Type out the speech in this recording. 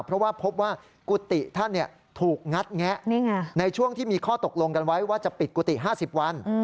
เพราะว่าพบว่ากุฏิท่านถูกงัดแงะในช่วงที่มีข้อตกลงกันไว้ว่าจะปิดกุฏิ๕๐วัน